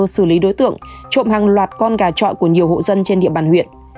xử lý đối tượng trộm hàng loạt con gà trọi của nhiều hộ dân trên địa bàn huyện